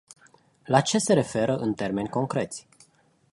La ce se referă, în termeni concreți?